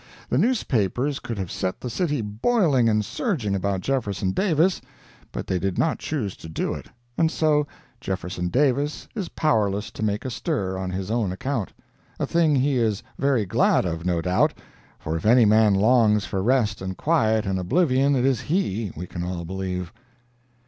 The newspapers could have set the city boiling and surging about Jeff. Davis, but they did not choose to do it, and so Jeff. Davis is powerless to make a stir on his own account—a thing he is very glad of, no doubt, for if any man longs for rest and quiet and oblivion, it is he, we can all believe.